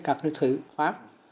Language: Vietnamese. các thứ khoác